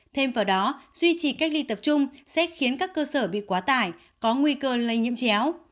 thêm vào đó duy trì cách ly tập trung sẽ khiến các cơ sở bị quá tải có nguy cơ lây nhiễm chéo